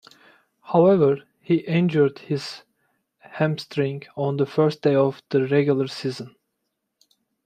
However, he injured his hamstring on the first day of the regular season.